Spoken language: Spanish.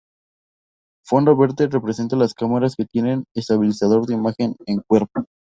Fondo verde representa las cámaras que tienen estabilizador de imagen en cuerpo.